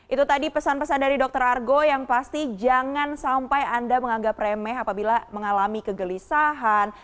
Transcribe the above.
itu tadi pesan pesan dari dr argo yang pasti jangan sampai anda menganggap remeh apabila mengalami kegelisahan